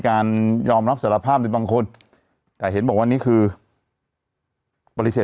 การยอมรับสารภาพในบางคนแต่เห็นว่าวันนี้คือปฏิเสธ